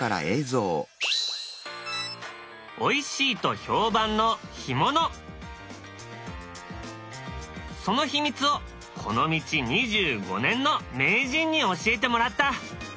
おいしいと評判のその秘密をこの道２５年の名人に教えてもらった。